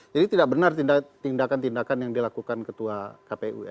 jadi tidak benar tindakan tindakan yang dilakukan ketua kpu